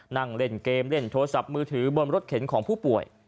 นั่งเล่นเกมเล่นโทรศัพท์มือถือบนรถเข็นของผู้ป่วย